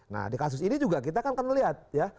nah di kasus ini juga kita kan melihat ya